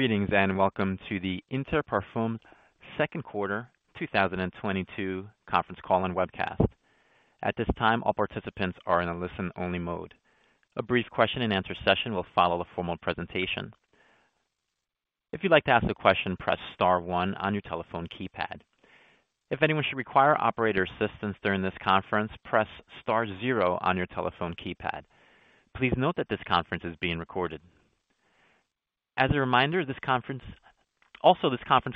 Greetings, and welcome to the Inter Parfums second quarter 2022 conference call and webcast. At this time, all participants are in a listen-only mode. A brief question-and-answer session will follow the formal presentation. If you'd like to ask a question, press star one on your telephone keypad. If anyone should require operator assistance during this conference, press star zero on your telephone keypad. Please note that this conference is being recorded. As a reminder, this conference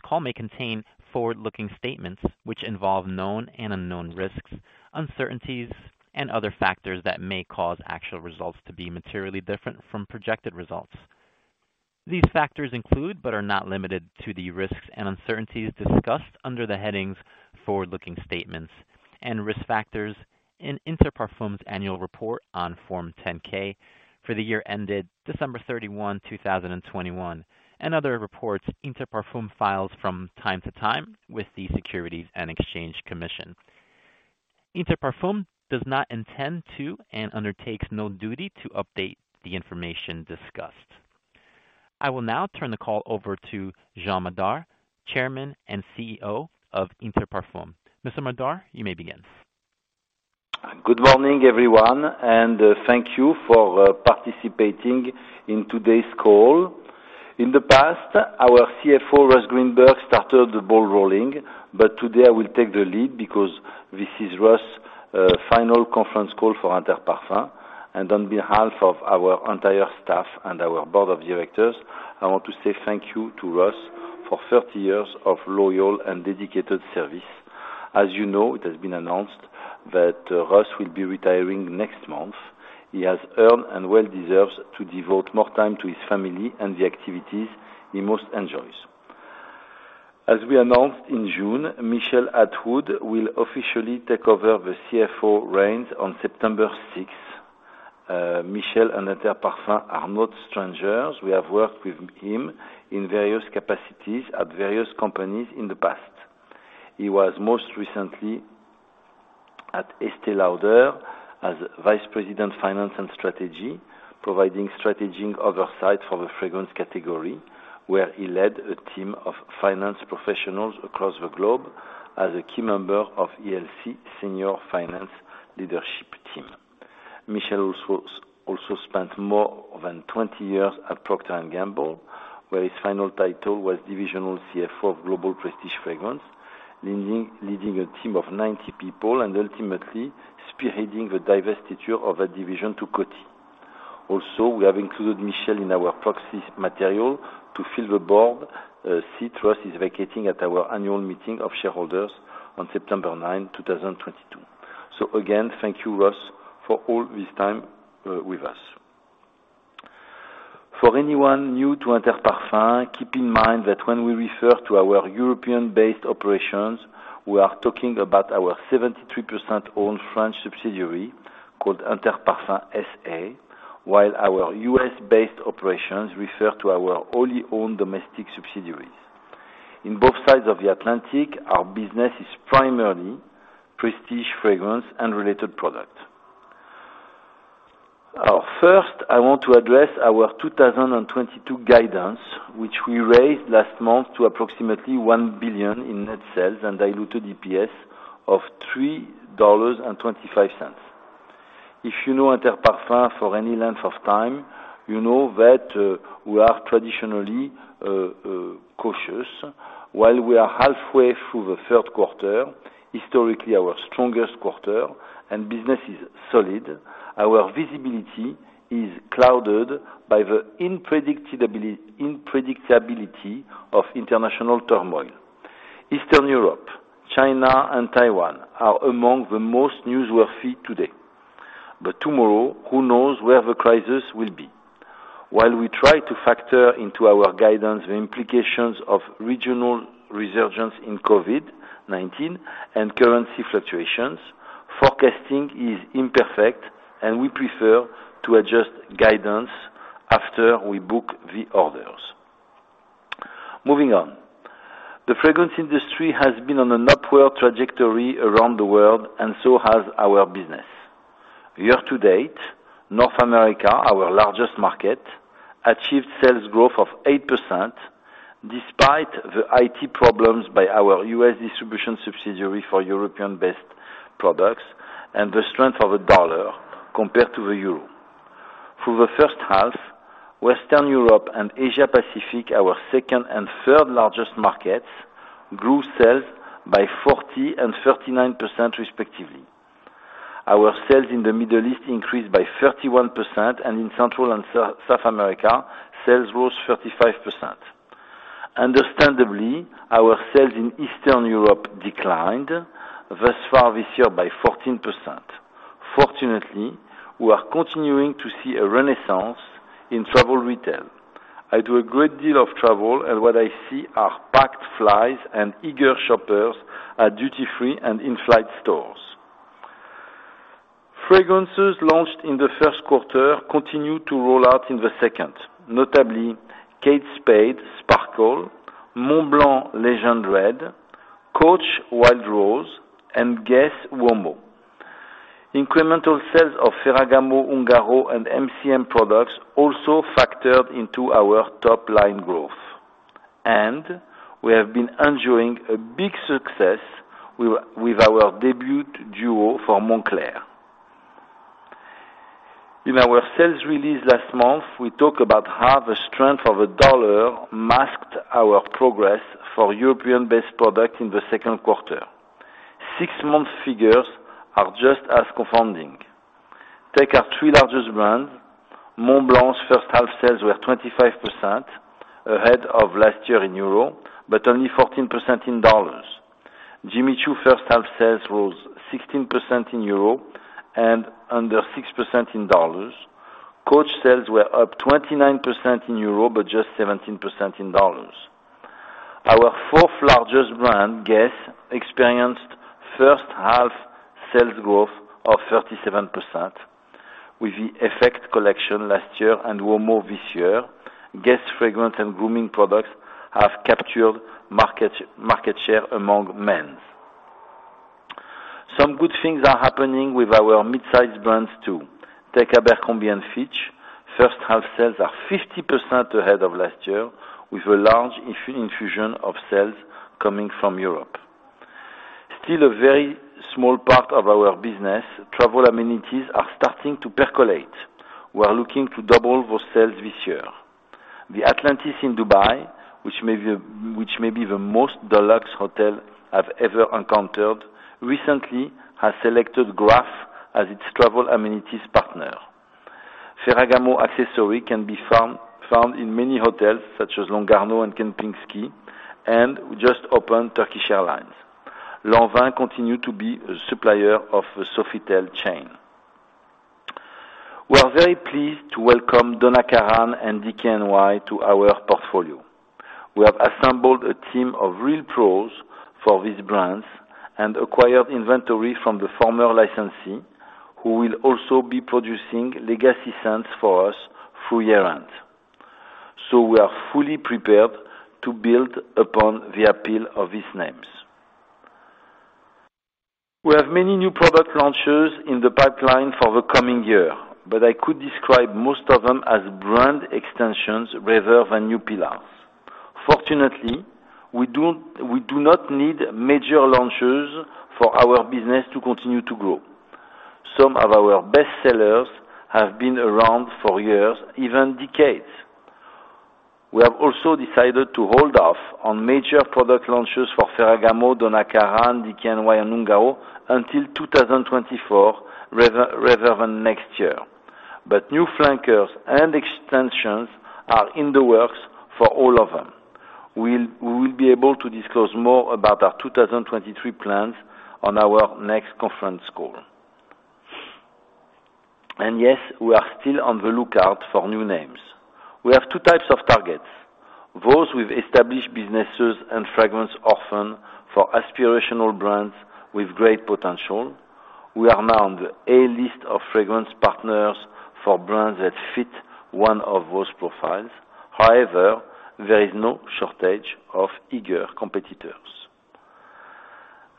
call may contain forward-looking statements which involve known and unknown risks, uncertainties, and other factors that may cause actual results to be materially different from projected results. These factors include, but are not limited to, the risks and uncertainties discussed under the headings Forward-Looking Statements and Risk Factors in Inter Parfums' annual report on Form 10-K for the year ended December 31, 2021 and other reports Inter Parfums files from time to time with the Securities and Exchange Commission. Inter Parfums does not intend to and undertakes no duty to update the information discussed. I will now turn the call over to Jean Madar, Chairman and CEO of Inter Parfums. Mr. Madar, you may begin. Good morning, everyone, and thank you for participating in today's call. In the past, our CFO, Russ Greenberg, started the ball rolling, but today I will take the lead because this is Russ's final conference call for Inter Parfums. On behalf of our entire staff and our board of directors, I want to say thank you to Russ for 30 years of loyal and dedicated service. As you know, it has been announced that Russ will be retiring next month. He has earned and well deserves to devote more time to his family and the activities he most enjoys. As we announced in June, Michel Atwood will officially take over the CFO reins on September 6th. Michel and Inter Parfums are not strangers. We have worked with him in various capacities at various companies in the past. He was most recently at Estée Lauder as Vice President, Finance and Strategy, providing strategic oversight for the fragrance category, where he led a team of finance professionals across the globe as a key member of ELC senior finance leadership team. Michel also spent more than 20 years at Procter & Gamble, where his final title was Divisional CFO of Global Prestige Fragrance, leading a team of 90 people and ultimately spearheading the divestiture of a division to Coty. Also, we have included Michel in our proxy material to fill the board seat Russ is vacating at our annual meeting of shareholders on September 9, 2022. Again, thank you, Russ, for all this time with us. For anyone new to Inter Parfums, keep in mind that when we refer to our European-based operations, we are talking about our 73% owned French subsidiary called Interparfums SA, while our U.S.-based operations refer to our wholly owned domestic subsidiaries. In both sides of the Atlantic, our business is primarily prestige, fragrance, and related products. First, I want to address our 2022 guidance, which we raised last month to approximately $1 billion in net sales and diluted EPS of $3.25. If you know Inter Parfums for any length of time, you know that, we are traditionally cautious. While we are halfway through the third quarter, historically our strongest quarter, and business is solid, our visibility is clouded by the unpredictability of international turmoil. Eastern Europe, China and Taiwan are among the most newsworthy today. Tomorrow, who knows where the crisis will be. While we try to factor into our guidance the implications of regional resurgence in COVID-19 and currency fluctuations, forecasting is imperfect, and we prefer to adjust guidance after we book the orders. Moving on. The fragrance industry has been on an upward trajectory around the world, and so has our business. Year to date, North America, our largest market, achieved sales growth of 8% despite the IT problems by our U.S. distribution subsidiary for European-based products and the strength of the dollar compared to the euro. Through the first half, Western Europe and Asia Pacific, our second and third largest markets, grew sales by 40% and 39%, respectively. Our sales in the Middle East increased by 31%, and in Central and South America, sales rose 35%. Understandably, our sales in Eastern Europe declined thus far this year by 14%. Fortunately, we are continuing to see a renaissance in travel retail. I do a great deal of travel, and what I see are packed flights and eager shoppers at duty-free and in-flight stores. Fragrances launched in the first quarter continue to roll out in the second, notably Kate Spade Sparkle, Montblanc Legend Red, Coach Wild Rose, and Guess Uomo. Incremental sales of Ferragamo, Ungaro, and MCM products also factored into our top line growth. We have been enjoying a big success with our debut duo for Moncler. In our sales release last month, we talk about how the strength of a dollar masked our progress for European-based product in the second quarter. 6-month figures are just as confounding. Take our three largest brands. Montblanc's first half sales were 25% ahead of last year in euro, but only 14% in dollars. Jimmy Choo first half sales rose 16% in euro and under 6% in dollars. Coach sales were up 29% in euro, but just 17% in dollars. Our fourth largest brand, Guess, experienced first half sales growth of 37% with the Effect collection last year and Women this year. Guess fragrance and grooming products have captured market share among men's. Some good things are happening with our midsize brands too. Take Abercrombie & Fitch. First half sales are 50% ahead of last year with a large infusion of sales coming from Europe. Still a very small part of our business, travel amenities are starting to percolate. We are looking to double those sales this year. The Atlantis in Dubai, which may be the most deluxe hotel I've ever encountered, recently has selected Graff as its travel amenities partner. Ferragamo accessories can be found in many hotels such as Lugano and Kempinski, and we just opened Turkish Airlines. Lanvin continues to be a supplier of the Sofitel chain. We are very pleased to welcome Donna Karan and DKNY to our portfolio. We have assembled a team of real pros for these brands and acquired inventory from the former licensee, who will also be producing legacy scents for us through year-end. We are fully prepared to build upon the appeal of these names. We have many new product launches in the pipeline for the coming year, but I could describe most of them as brand extensions rather than new pillars. Fortunately, we do not need major launches for our business to continue to grow. Some of our best sellers have been around for years, even decades. We have also decided to hold off on major product launches for Ferragamo, Donna Karan, DKNY, and Ungaro until 2024 rather than next year. New flankers and extensions are in the works for all of them. We will be able to disclose more about our 2023 plans on our next conference call. Yes, we are still on the lookout for new names. We have two types of targets, those with established businesses and fragrance often for aspirational brands with great potential. We are now on the A-list of fragrance partners for brands that fit one of those profiles. However, there is no shortage of eager competitors.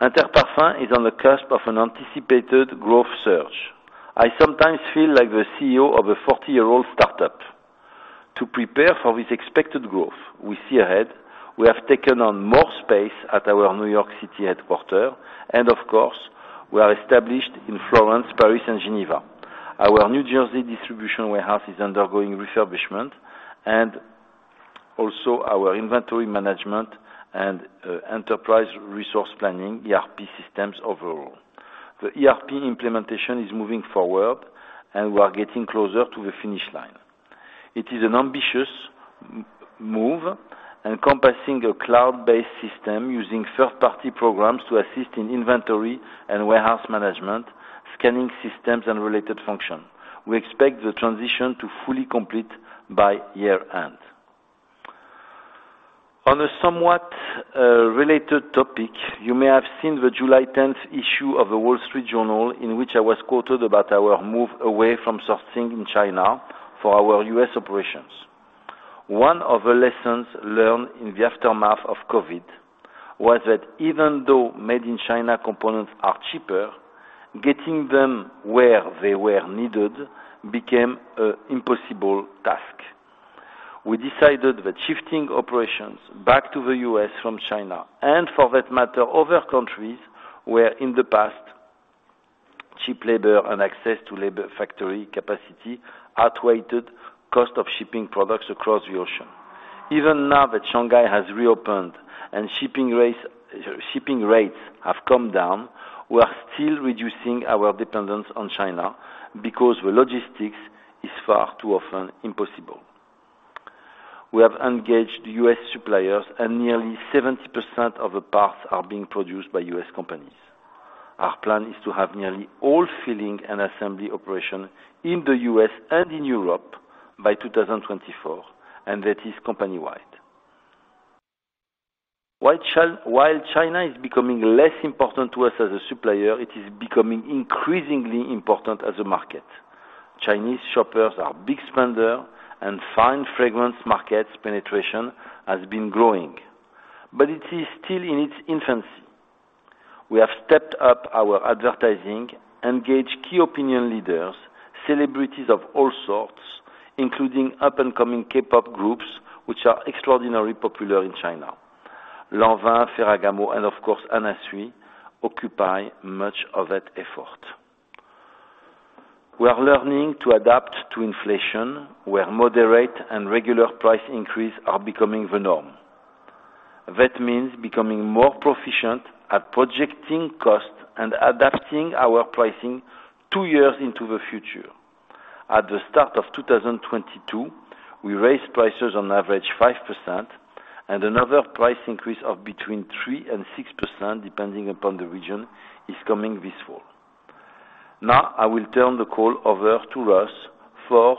Inter Parfums is on the cusp of an anticipated growth surge. I sometimes feel like the CEO of a 40-year-old startup. To prepare for this expected growth we see ahead, we have taken on more space at our New York City headquarters, and of course, we are established in Florence, Paris, and Geneva. Our New Jersey distribution warehouse is undergoing refurbishment and also our inventory management and enterprise resource planning, ERP systems overall. The ERP implementation is moving forward and we are getting closer to the finish line. It is an ambitious move encompassing a cloud-based system using third-party programs to assist in inventory and warehouse management, scanning systems, and related function. We expect the transition to fully complete by year-end. On a somewhat related topic, you may have seen the July 10th issue of The Wall Street Journal, in which I was quoted about our move away from sourcing in China for our U.S. operations. One of the lessons learned in the aftermath of COVID was that even though made-in-China components are cheaper, getting them where they were needed became an impossible task. We decided that shifting operations back to the U.S. from China, and for that matter, other countries, where in the past, cheap labor and access to labor factory capacity outweighed cost of shipping products across the ocean. Even now that Shanghai has reopened and shipping rates have come down, we are still reducing our dependence on China because the logistics is far too often impossible. We have engaged U.S. suppliers and nearly 70% of the parts are being produced by U.S. companies. Our plan is to have nearly all filling and assembly operations in the U.S. and in Europe by 2024, and that is company-wide. While China is becoming less important to us as a supplier, it is becoming increasingly important as a market. Chinese shoppers are big spenders and fine fragrance market penetration has been growing. It is still in its infancy. We have stepped up our advertising, engaged key opinion leaders, celebrities of all sorts, including up-and-coming K-pop groups, which are extraordinarily popular in China. Lanvin, Ferragamo, and of course, Anna Sui occupy much of that effort. We are learning to adapt to inflation, where moderate and regular price increases are becoming the norm. That means becoming more proficient at projecting costs and adapting our pricing 2 years into the future. At the start of 2022, we raised prices on average 5%, and another price increase of between 3% and 6%, depending upon the region, is coming this fall. Now I will turn the call over to Russ for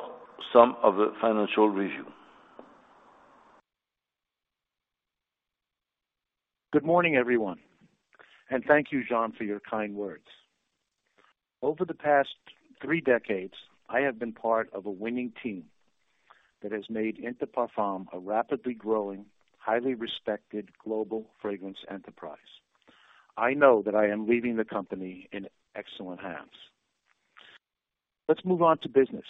some of the financial review. Good morning, everyone, and thank you, Jean, for your kind words. Over the past 3 decades, I have been part of a winning team that has made Inter Parfums a rapidly growing, highly respected global fragrance enterprise. I know that I am leaving the company in excellent hands. Let's move on to business.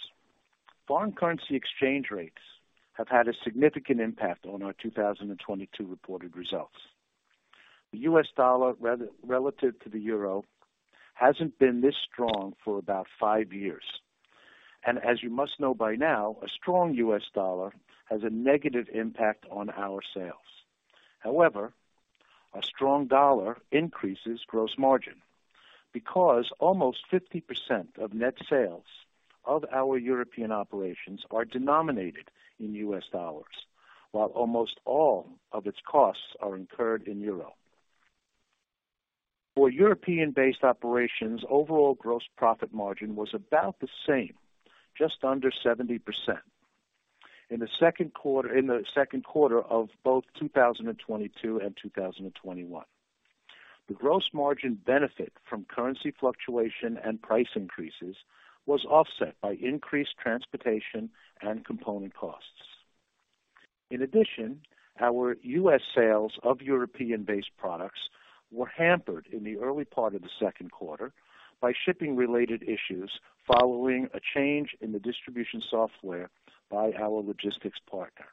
Foreign currency exchange rates have had a significant impact on our 2022 reported results. The U.S. dollar relative to the euro hasn't been this strong for about 5 years. As you must know by now, a strong U.S. dollar has a negative impact on our sales. However, a strong dollar increases gross margin because almost 50% of net sales of our European operations are denominated in U.S. dollars, while almost all of its costs are incurred in euro. For European-based operations, overall gross profit margin was about the same, just under 70%. In the second quarter of both 2022 and 2021. The gross margin benefit from currency fluctuation and price increases was offset by increased transportation and component costs. In addition, our U.S. sales of European-based products were hampered in the early part of the second quarter by shipping-related issues following a change in the distribution software by our logistics partner.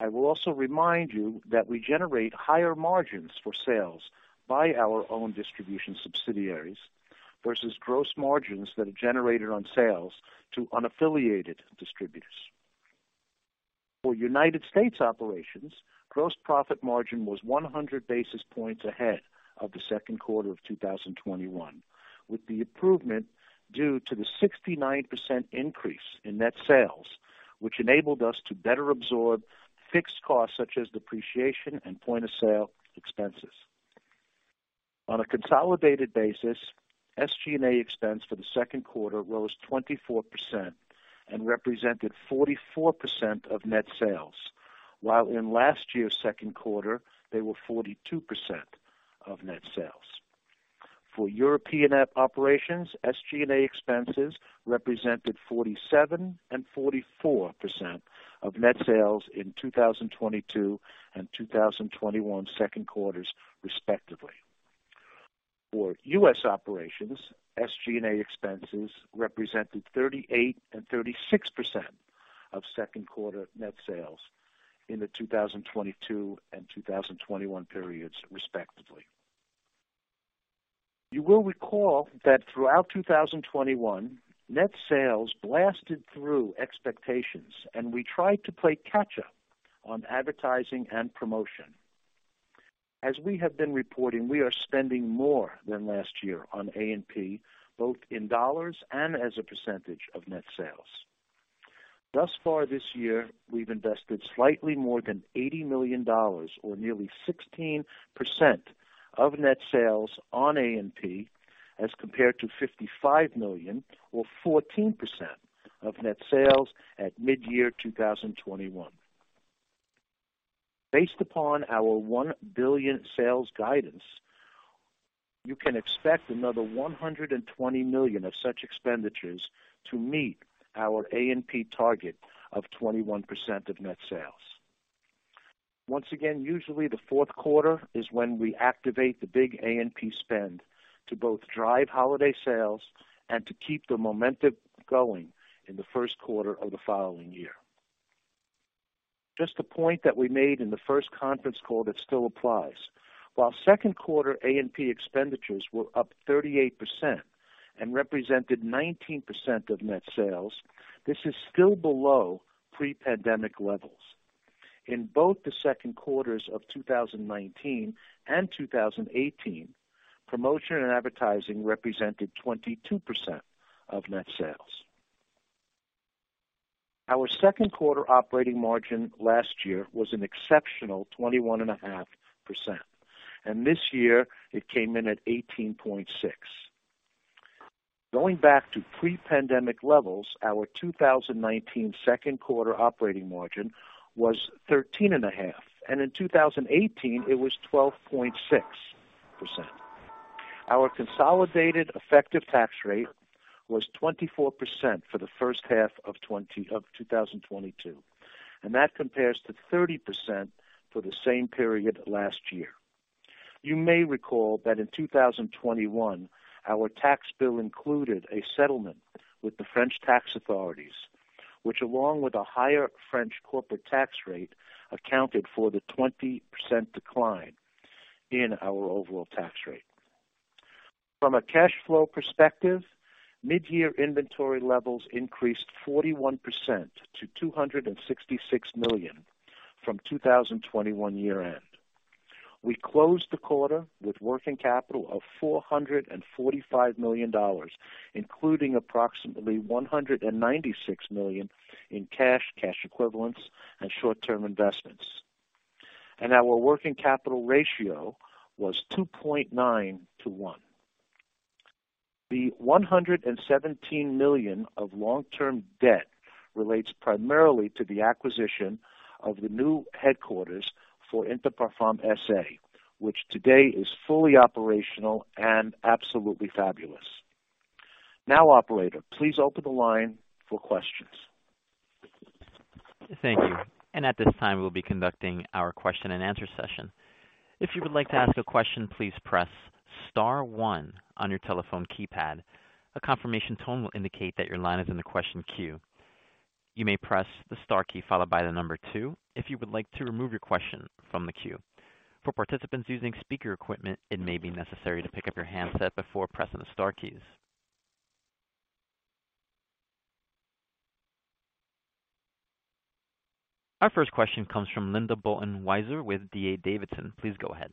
I will also remind you that we generate higher margins for sales by our own distribution subsidiaries versus gross margins that are generated on sales to unaffiliated distributors. For United States operations, gross profit margin was 100 basis points ahead of the second quarter of 2021, with the improvement due to the 69% increase in net sales, which enabled us to better absorb fixed costs such as depreciation and point-of-sale expenses. On a consolidated basis, SG&A expense for the second quarter rose 24% and represented 44% of net sales, while in last year's second quarter, they were 42% of net sales. For European operations, SG&A expenses represented 47% and 44% of net sales in 2022 and 2021 second quarters, respectively. For U.S. operations, SG&A expenses represented 38% and 36% of second quarter net sales in the 2022 and 2021 periods, respectively. You will recall that throughout 2021, net sales blasted through expectations, and we tried to play catch-up on advertising and promotion. As we have been reporting, we are spending more than last year on A&P, both in dollars and as a percentage of net sales. Thus far this year, we've invested slightly more than $80 million or nearly 16% of net sales on A&P, as compared to $55 million or 14% of net sales at mid-year 2021. Based upon our $1 billion sales guidance, you can expect another $120 million of such expenditures to meet our A&P target of 21% of net sales. Once again, usually the fourth quarter is when we activate the big A&P spend to both drive holiday sales and to keep the momentum going in the first quarter of the following year. Just a point that we made in the first conference call that still applies. While second quarter A&P expenditures were up 38% and represented 19% of net sales, this is still below pre-pandemic levels. In both the second quarters of 2019 and 2018, promotion and advertising represented 22% of net sales. Our second quarter operating margin last year was an exceptional 21.5%, and this year it came in at 18.6%. Going back to pre-pandemic levels, our 2019 second quarter operating margin was 13.5%, and in 2018 it was 12.6%. Our consolidated effective tax rate was 24% for the first half of 2022, and that compares to 30% for the same period last year. You may recall that in 2021, our tax bill included a settlement with the French tax authorities, which, along with a higher French corporate tax rate, accounted for the 20% decline in our overall tax rate. From a cash flow perspective, mid-year inventory levels increased 41% to $266 million from 2021 year-end. We closed the quarter with working capital of $445 million, including approximately $196 million in cash equivalents, and short-term investments. Our working capital ratio was 2.9-1. The $117 million of long-term debt relates primarily to the acquisition of the new headquarters for Interparfums SA, which today is fully operational and absolutely fabulous. Now, operator, please open the line for questions. Thank you. At this time, we'll be conducting our question and answer session. If you would like to ask a question, please press star one on your telephone keypad. A confirmation tone will indicate that your line is in the question queue. You may press the star key followed by the number two if you would like to remove your question from the queue. For participants using speaker equipment, it may be necessary to pick up your handset before pressing the star keys. Our first question comes from Linda Bolton-Weiser with D.A. Davidson. Please go ahead.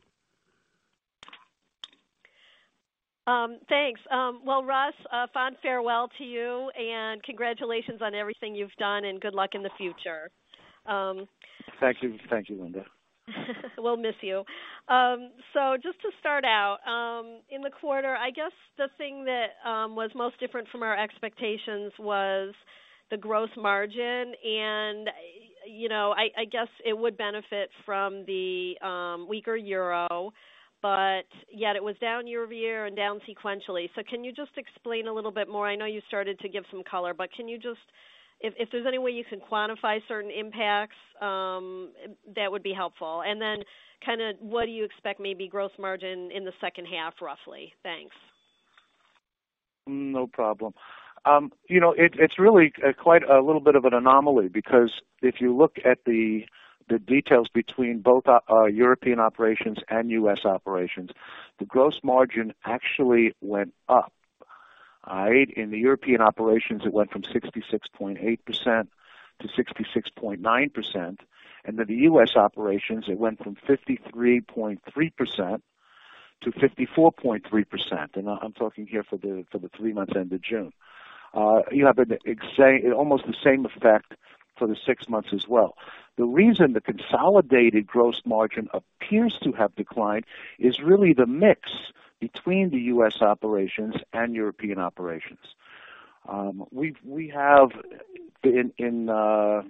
Thanks. Well, Russ, a fond farewell to you, and congratulations on everything you've done, and good luck in the future. Thank you. Thank you, Linda. We'll miss you. Just to start out, in the quarter, I guess the thing that was most different from our expectations was the gross margin. You know, I guess it would benefit from the weaker euro, but yet it was down year-over-year and down sequentially. Can you just explain a little bit more? I know you started to give some color, but if there's any way you can quantify certain impacts, that would be helpful. Then kinda what do you expect maybe gross margin in the second half, roughly? Thanks. No problem. You know, it's really quite a little bit of an anomaly because if you look at the details between both our European operations and U.S. operations, the gross margin actually went up. In the European operations, it went from 66.8% to 66.9%. The U.S. operations, it went from 53.3% to 54.3%. I'm talking here for the 3 months end of June. You have almost the same effect for the 6 months as well. The reason the consolidated gross margin appears to have declined is really the mix between the U.S. operations and European operations. We have for the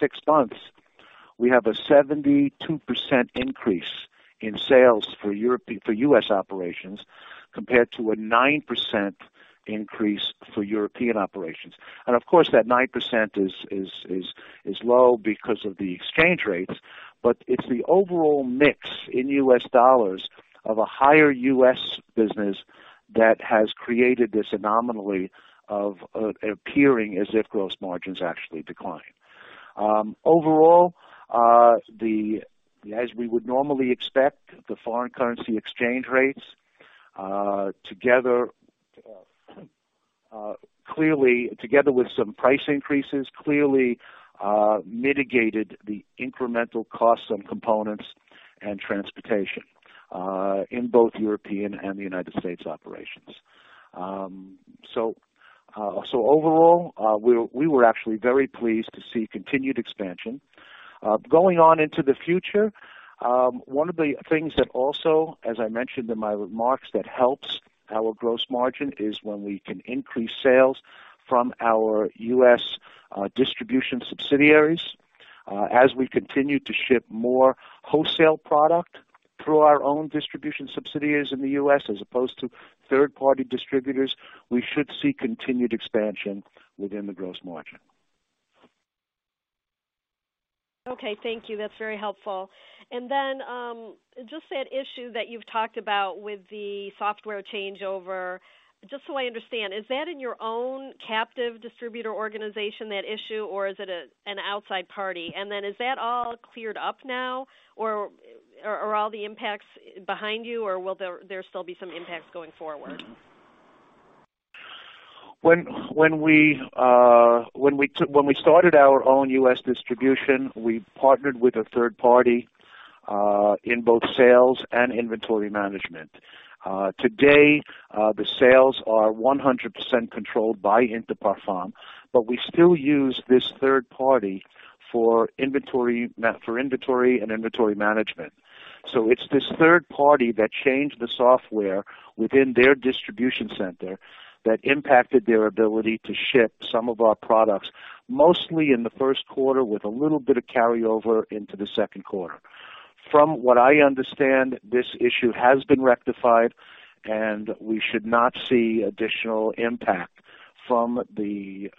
6 months a 72% increase in sales for U.S. operations compared to a 9% increase for European operations. Of course, that 9% is low because of the exchange rates. It's the overall mix in U.S. dollars of a higher U.S. business that has created this anomaly of appearing as if gross margins actually declined. Overall, as we would normally expect, the foreign currency exchange rates together with some price increases clearly mitigated the incremental cost on components and transportation in both European and the United States operations. Overall, we were actually very pleased to see continued expansion. Going on into the future, one of the things that also, as I mentioned in my remarks, that helps our gross margin is when we can increase sales from our U.S. distribution subsidiaries. As we continue to ship more wholesale product through our own distribution subsidiaries in the U.S. as opposed to third-party distributors, we should see continued expansion within the gross margin. Okay. Thank you. That's very helpful. Just that issue that you've talked about with the software changeover, just so I understand, is that in your own captive distributor organization, that issue, or is it an outside party? Is that all cleared up now, or are all the impacts behind you, or will there still be some impacts going forward? When we started our own U.S. distribution, we partnered with a third party in both sales and inventory management. Today, the sales are 100% controlled by Inter Parfums, but we still use this third party for inventory management. It's this third party that changed the software within their distribution center that impacted their ability to ship some of our products, mostly in the first quarter, with a little bit of carryover into the second quarter. From what I understand, this issue has been rectified, and we should not see additional impact from the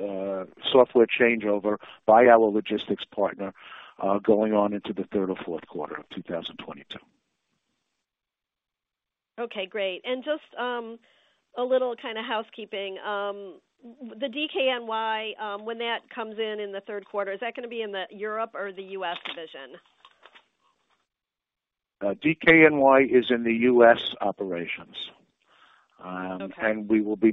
software changeover by our logistics partner going on into the third or fourth quarter of 2022. Okay, great. Just a little kinda housekeeping. The DKNY, when that comes in in the third quarter, is that gonna be in the Europe or the U.S. division? DKNY is in the U.S. operations. Okay. We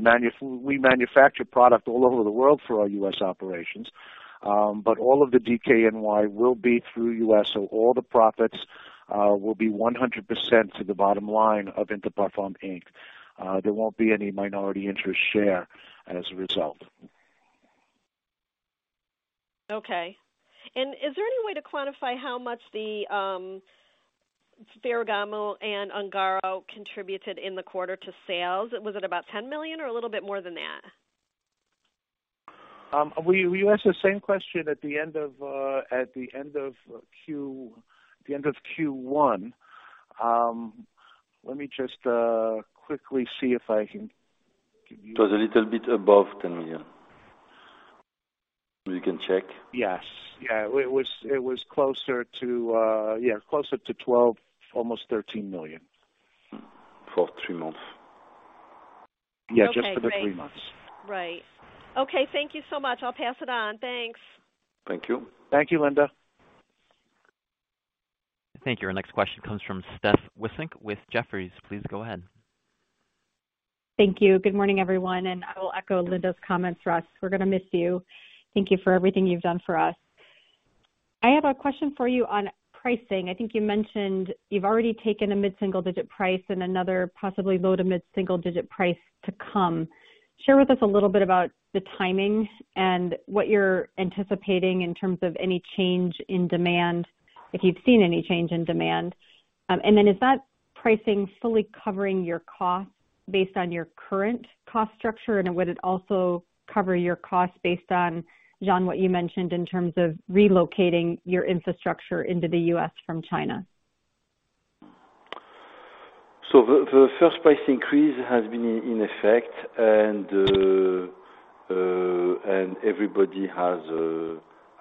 manufacture product all over the world for our U.S. operations. All of the DKNY will be through U.S. All the profits will be 100% to the bottom line of Inter Parfums Inc There won't be any minority interest share as a result. Okay. Is there any way to quantify how much the Ferragamo and Ungaro contributed in the quarter to sales? Was it about $10 million or a little bit more than that? We asked the same question at the end of Q1. Let me just quickly see if I can give you It was a little bit above $10 million. We can check. Yes. Yeah. It was closer to $12 million, almost $13 million. For 33 months. Yeah, just for the 3 months. Okay, great. Right. Okay, thank you so much. I'll pass it on. Thanks. Thank you. Thank you, Linda. Thank you. Our next question comes from Stephanie Wissink with Jefferies. Please go ahead. Thank you. Good morning, everyone, and I will echo Linda's comments for us. We're gonna miss you. Thank you for everything you've done for us. I have a question for you on pricing. I think you mentioned you've already taken a mid-single digit price and another possibly low to mid-single digit price to come. Share with us a little bit about the timing and what you're anticipating in terms of any change in demand, if you've seen any change in demand. Then, is that pricing fully covering your costs based on your current cost structure? Would it also cover your costs based on, Jean, what you mentioned in terms of relocating your infrastructure into the U.S. from China? The first price increase has been in effect and everybody has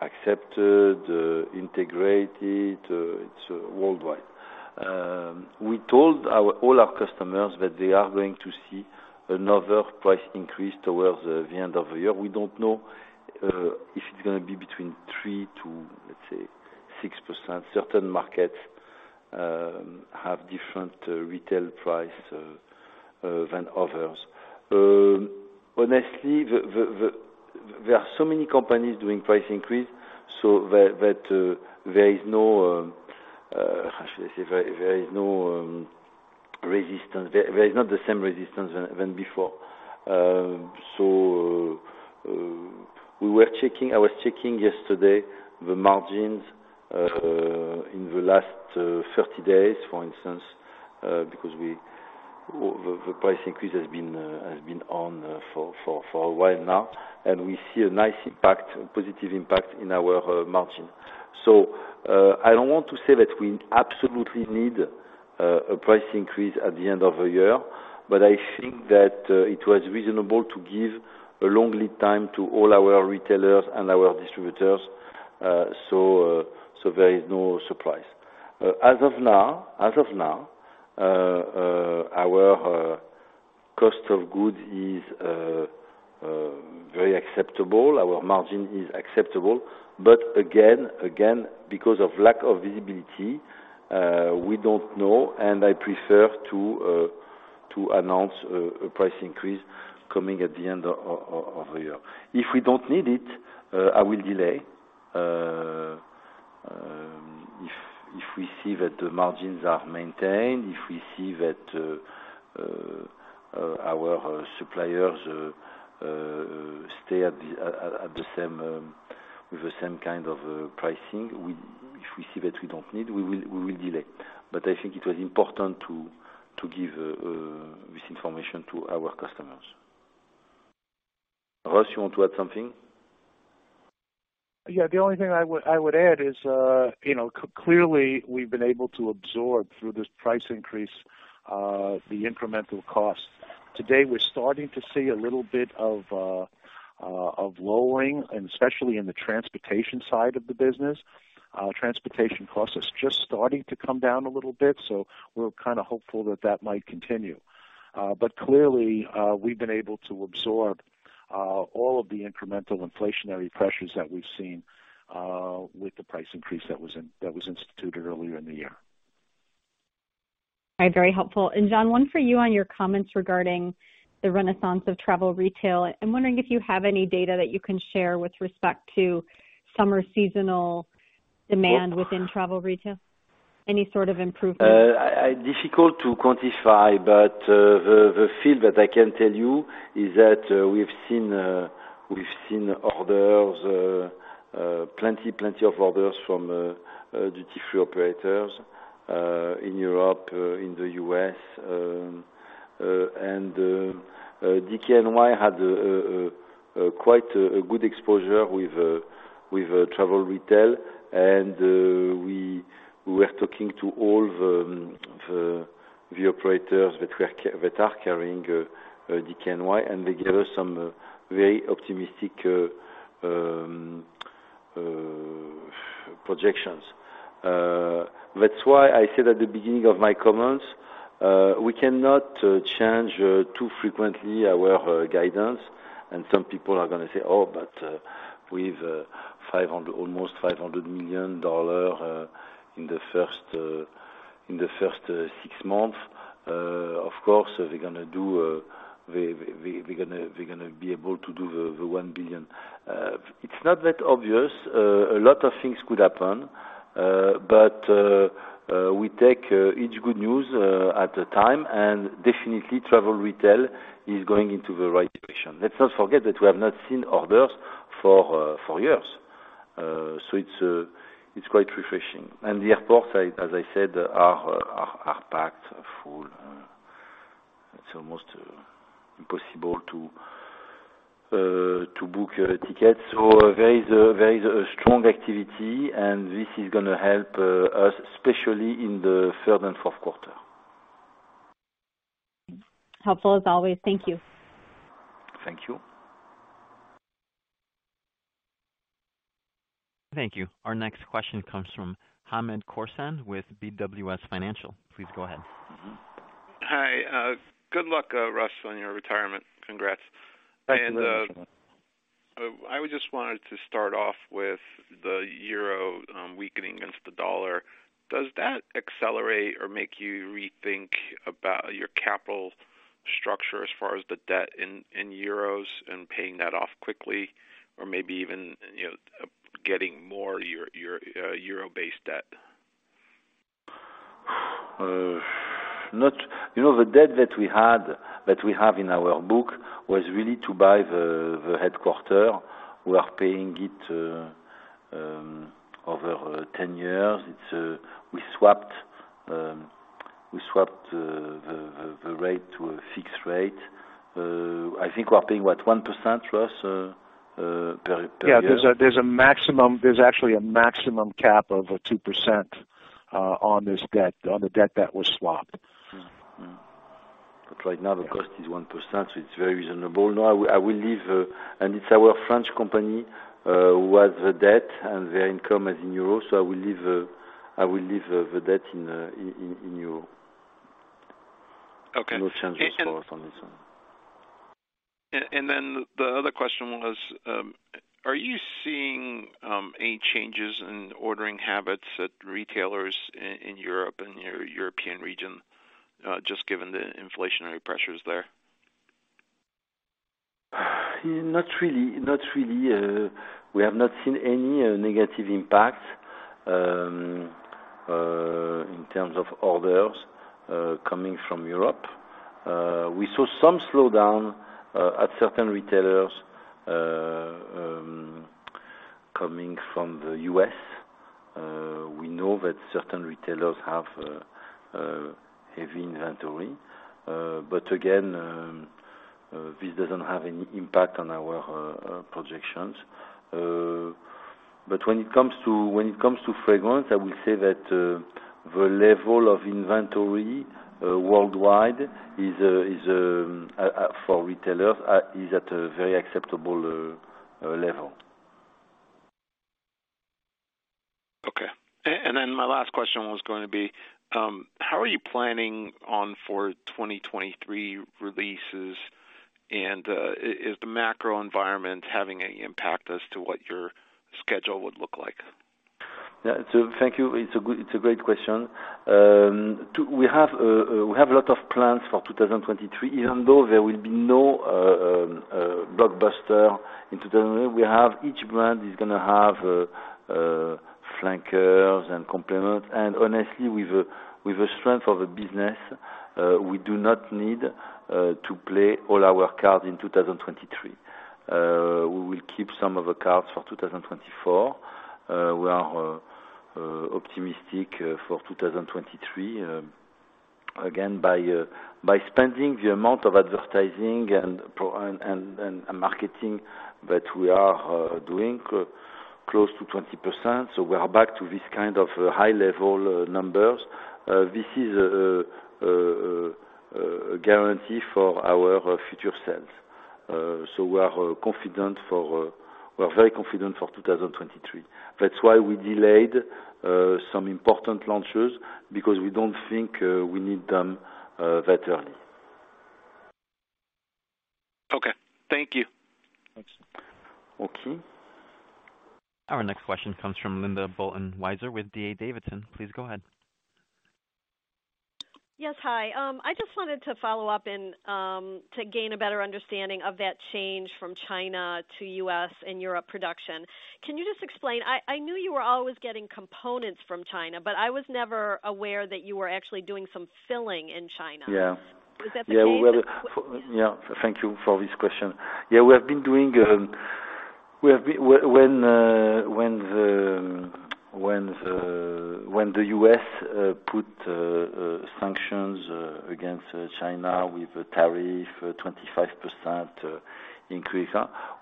accepted, integrated, it's worldwide. We told all our customers that they are going to see another price increase towards the end of the year. We don't know if it's gonna be between 3%-6%. Certain markets have different retail price than others. Honestly, there are so many companies doing price increase, so that there is no, how should I say? There is no resistance. There is not the same resistance than before. We were checking. I was checking yesterday the margins in the last 30 days, for instance, because we. The price increase has been on for a while now, and we see a nice impact, positive impact in our margin. I don't want to say that we absolutely need a price increase at the end of the year, but I think that it was reasonable to give a long lead time to all our retailers and our distributors, so there is no surprise. As of now, our cost of goods is very acceptable. Our margin is acceptable. Again, because of lack of visibility, we don't know, and I prefer to announce a price increase coming at the end of the year. If we don't need it, I will delay. if we see that the margins are maintained, if we see that our suppliers stay at the same with the same kind of pricing. If we see that we don't need, we will delay. I think it was important to give this information to our customers. Russ, you want to add something? Yeah. The only thing I would add is, you know, clearly, we've been able to absorb through this price increase the incremental cost. Today, we're starting to see a little bit of lowering, and especially in the transportation side of the business. Transportation cost is just starting to come down a little bit, so we're kinda hopeful that that might continue. Clearly, we've been able to absorb all of the incremental inflationary pressures that we've seen with the price increase that was instituted earlier in the year. All right. Very helpful. Jean, one for you on your comments regarding the renaissance of travel retail. I'm wondering if you have any data that you can share with respect to summer seasonal demand within travel retail? Any sort of improvement. Difficult to quantify, but the feel that I can tell you is that we've seen plenty of orders from duty-free operators in Europe, in the U.S., and DKNY had quite a good exposure with travel retail. We were talking to all the operators that are carrying DKNY, and they gave us some very optimistic projections. That's why I said at the beginning of my comments, we cannot change too frequently our guidance. Some people are gonna say, "Oh, but with almost $500 million in the first 6 months, of course, they're gonna be able to do the $1 billion." It's not that obvious. A lot of things could happen. We take each good news at the time, and definitely, travel retail is going into the right direction. Let's not forget that we have not seen orders for years. It's quite refreshing. The airports, as I said, are packed full. It's almost impossible to book a ticket. There is a strong activity, and this is gonna help us, especially in the third and fourth quarter. Helpful as always. Thank you. Thank you. Thank you. Our next question comes from Hamed Khorsand with BWS Financial. Please go ahead. Mm-hmm. Hi. Good luck, Russ, on your retirement. Congrats. I would just wanted to start off with the euro weakening against the dollar. Does that accelerate or make you rethink about your capital structure as far as the debt in euros and paying that off quickly? Or maybe even, you know, getting more euro-based debt? You know, the debt that we have in our book was really to buy the headquarters. We are paying it over 10 years. It's we swapped the rate to a fixed rate. I think we're paying what, 1%, Russ, per year? Yeah. There's actually a maximum cap of 2% on this debt, on the debt that was swapped. Right now the cost is 1%, so it's very reasonable. No, I will leave. It's our French company who has the debt, and their income is in euro, so I will leave the debt in euro. Okay. No change of course on this one. The other question was, are you seeing any changes in ordering habits at retailers in Europe and your European region, just given the inflationary pressures there? Not really. We have not seen any negative impact in terms of orders coming from Europe. We saw some slowdown at certain retailers coming from the U.S. We know that certain retailers have heavy inventory. Again, this doesn't have any impact on our projections. When it comes to fragrance, I will say that the level of inventory worldwide for retailers is at a very acceptable level. Okay. My last question was going to be, how are you planning on for 2023 releases? Is the macro environment having any impact as to what your schedule would look like? Yeah. Thank you. It's a great question. We have a lot of plans for 2023. Even though there will be no blockbuster in 2023, each brand is gonna have flankers and complements. Honestly, with the strength of the business, we do not need to play all our cards in 2023. We will keep some of the cards for 2024. We are optimistic for 2023. Again, by spending the amount of advertising and marketing that we are doing, close to 20%, so we are back to this kind of high level numbers. This is a guarantee for our future sales. We are very confident for 2023. That's why we delayed some important launches because we don't think we need them that early. Okay. Thank you. Thanks. Okay. Our next question comes from Linda Bolton-Weiser with D.A. Davidson. Please go ahead. Yes. Hi. I just wanted to follow up and to gain a better understanding of that change from China to U.S. and Europe production. Can you just explain? I knew you were always getting components from China, but I was never aware that you were actually doing some filling in China Yeah. Is that the case? Yeah. What- Yeah. Thank you for this question. Yeah. We have been doing. When the U.S. put sanctions against China with a tariff 25% increase,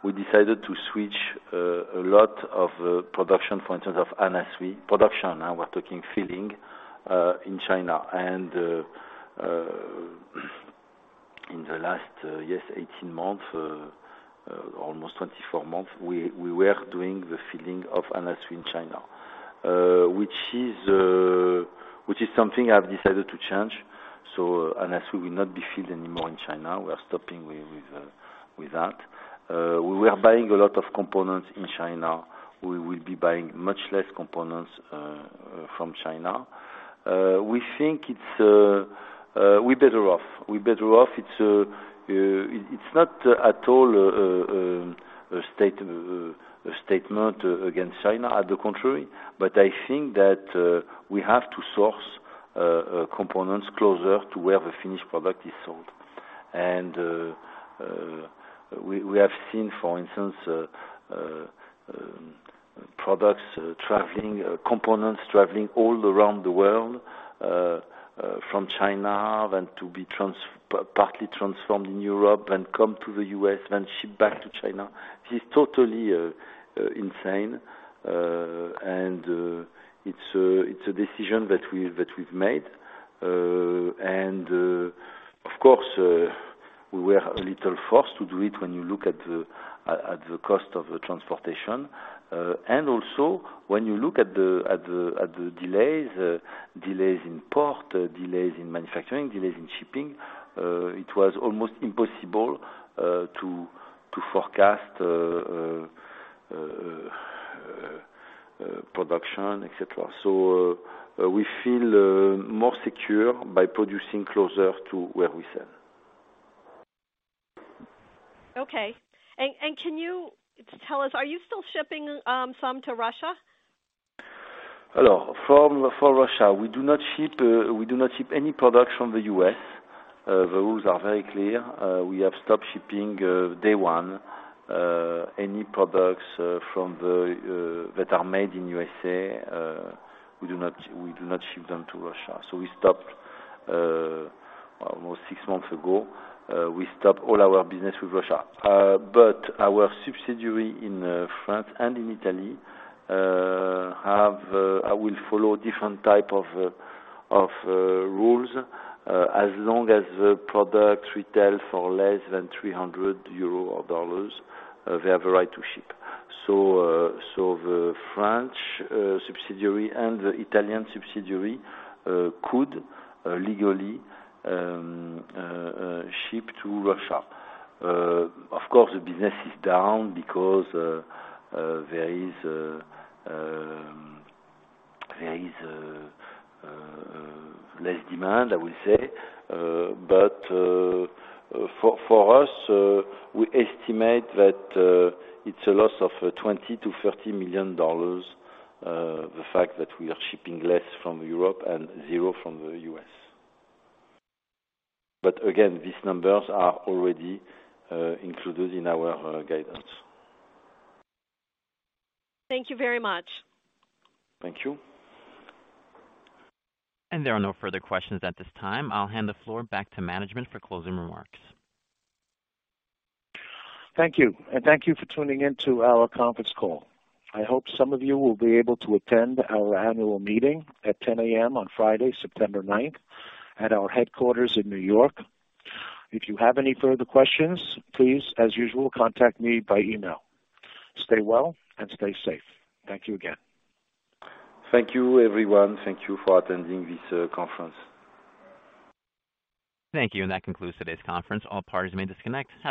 we decided to switch a lot of production for instance of Anna Sui production. Now we're talking filling in China. In the last 18 months, almost 24 months, we were doing the filling of Anna Sui in China. Which is something I've decided to change. Anna Sui will not be filled anymore in China. We are stopping with that. We were buying a lot of components in China. We will be buying much less components from China. We think it's we're better off. We're better off. It's not at all a statement against China, on the contrary. I think that we have to source components closer to where the finished product is sold. We have seen, for instance, components traveling all around the world from China then to be partly transformed in Europe and come to the U.S., then shipped back to China. This is totally insane. It's a decision that we've made. Of course, we were a little forced to do it when you look at the cost of transportation. Also, when you look at the delays in port, delays in manufacturing, delays in shipping, it was almost impossible to forecast production, et cetera. We feel more secure by producing closer to where we sell. Okay. Can you tell us, are you still shipping some to Russia? Hello. For Russia, we do not ship any products from the U.S. The rules are very clear. We have stopped shipping day one any products that are made in USA. We do not ship them to Russia. We stopped almost 6 months ago. We stopped all our business with Russia. Our subsidiary in France and in Italy will follow different type of rules as long as the products retail for less than 300 euros or $300. They have a right to ship. The French subsidiary and the Italian subsidiary could legally ship to Russia. Of course, the business is down because there is less demand, I will say. For us, we estimate that it's a loss of $20 million-$30 million, the fact that we are shipping less from Europe and zero from the U.S. Again, these numbers are already included in our guidance. Thank you very much. Thank you. There are no further questions at this time. I'll hand the floor back to management for closing remarks. Thank you. Thank you for tuning in to our conference call. I hope some of you will be able to attend our annual meeting at 10:00 A.M. on Friday, September 9th, at our headquarters in New York. If you have any further questions, please, as usual, contact me by email. Stay well and stay safe. Thank you again. Thank you, everyone. Thank you for attending this conference. Thank you. That concludes today's conference. All parties may disconnect.